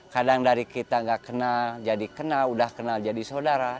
kadang dari kita gak kenal jadi kenal udah kenal jadi saudara